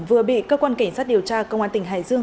vừa bị cơ quan cảnh sát điều tra công an tỉnh hải dương